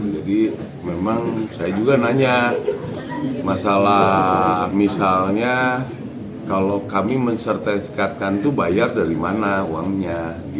jadi memang saya juga nanya masalah misalnya kalau kami mensertifikatkan itu bayar dari mana uangnya